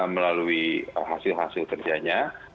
melalui hasil hasil kerjanya